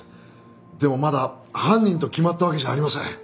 でもまだ犯人と決まったわけじゃありません。